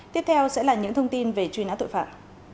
tiếp theo sẽ là những thông tin về truy nã tội phạm